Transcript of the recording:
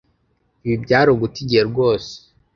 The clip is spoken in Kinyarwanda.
Ibi byari uguta igihe rwose.